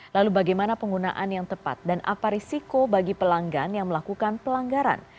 lalu bagaimana penggunaan yang tepat dan apa risiko bagi pelanggan yang melakukan pelanggaran